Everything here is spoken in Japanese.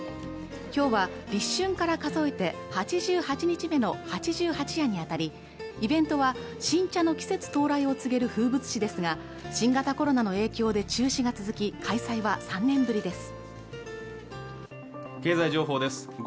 今日は立春から数えて８８日目の八十八夜にあたりイベントは新茶の季節到来を告げる風物詩ですが新型コロナの影響で中止が続き開催は３年ぶりです